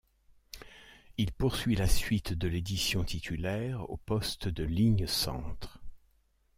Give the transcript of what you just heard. Il poursuit la suite de l'édition titulaire au poste de ligne centre.